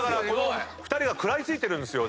この２人が食らい付いてる。